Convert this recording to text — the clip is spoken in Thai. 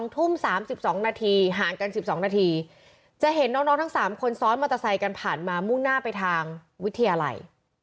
๒ทุ่ม๓๒นาทีห่างกัน๑๒นาทีจะเห็นน้องทั้ง๓คนซ้อนมอเตอร์ไซค์กันผ่านมามุ่งหน้าไปทางวิทยาลัย